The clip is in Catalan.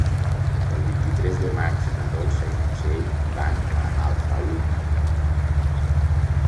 El vint-i-tres de maig na Dolça i na Txell van a Alfauir.